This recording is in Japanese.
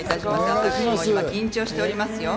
私、緊張しておりますよ。